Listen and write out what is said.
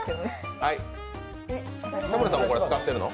田村さんもこれ使ってるの？